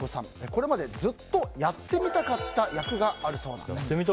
これまでずっとやってみたかった役があるそうなんです。